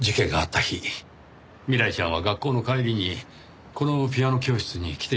日未来ちゃんは学校の帰りにこのピアノ教室に来ていますね？